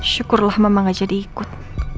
syukurlah mama gak jadi ikut